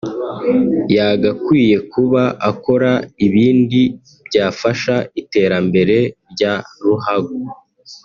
yagakwiye kuba akora ibindi byafasha iterambere rya ruhago